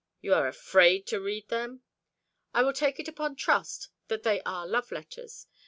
"You are afraid to read them?" "I will take it upon trust that they are love letters.